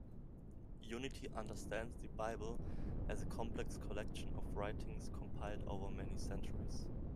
Unity understands the Bible as a complex collection of writings compiled over many centuries.